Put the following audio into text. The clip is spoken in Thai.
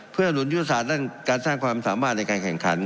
เพื่อหลุนยุทธศาสตร์ด้านการสร้างความสามารถในการแข่งขัน